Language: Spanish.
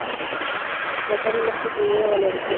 La carne más consumida era la de cerdo.